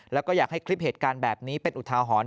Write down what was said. แล้วก็อยากให้คลิปเหตุการณ์แบบนี้เป็นอุทาหรณ์